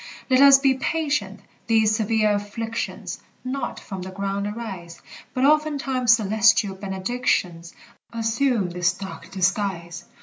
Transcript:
Let us be patient! These severe afflictions Not from the ground arise, But oftentimes celestial benedictions Assume this dark disguise.